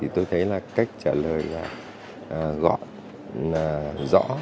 tôi thấy là cách trả lời gõ rõ